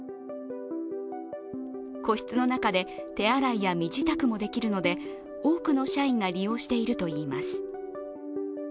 個室の中で手洗いや身支度もできるので、多くの社員が利用しているといいます。